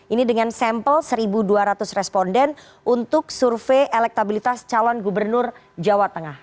ini dengan sampel satu dua ratus responden untuk survei elektabilitas calon gubernur jawa tengah